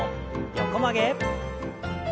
横曲げ。